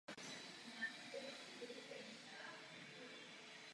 Jiná opatření budou vyžadovat další pomoc.